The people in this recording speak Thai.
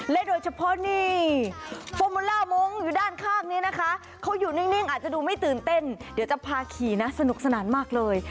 โดยเฉพาะนี่ฟอร์มูล่ามงค์อยู่ด้านข้างนี้นะคะเขาอยู่นิ่งอาจจะดูไม่ตื่นเต้นเดี๋ยวจะพาขี่นะสนุกสนานมากเลย